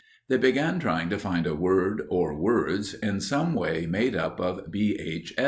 They began trying to find a word or words in some way made up of B. H.